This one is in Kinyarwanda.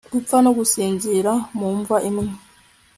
gupfa no gusinzira mu mva imwe